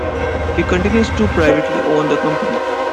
He continues to privately own the company.